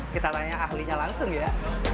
kita tanya ahlinya langsung ya